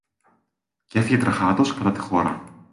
Κι έφυγε τρεχάτος κατά τη χώρα.